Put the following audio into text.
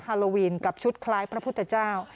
ฮาโลวีนกับชุดคล้ายพระพุทธเจ้า